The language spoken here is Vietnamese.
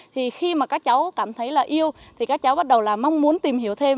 thì khi mà các cháu cảm thấy là yêu thì các cháu bắt đầu là mong muốn tìm hiểu thêm